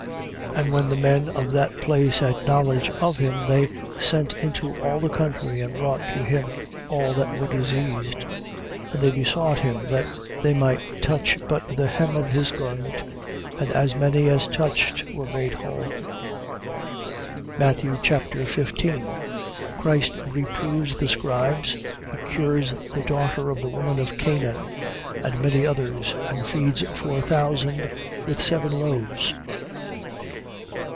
14:35. And when the men of that place had knowledge of him, they sent into all that country, and brought to him all that were diseased. 14:36. And they besought him that they might touch but the hem of his garment. And as many as touched, were made whole. Matthew Chapter 15 Christ reproves the Scribes. He cures the daughter of the woman of Canaan: and many others: and feeds four thousand with seven loaves.